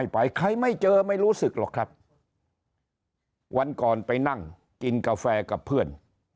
ไปใครไม่เจอไม่รู้สึกหรอกครับวันก่อนไปนั่งกินกาแฟกับเพื่อน